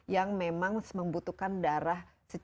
yang memang membutuhkan darah